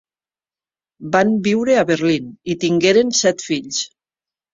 Van viure a Berlín, i tingueren set fills.